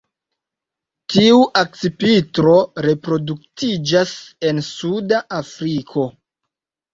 Tiu akcipitro reproduktiĝas en suda Afriko.